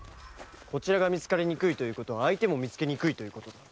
こちらが見つかりにくいという事は相手も見つけにくいという事だ。